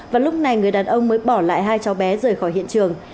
và lúc này người đàn ông mới bỏ lại hai cháu bé rời khỏi hiện trường